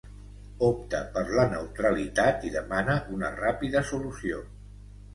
Opta per la neutralitat i demana una ràpida solució.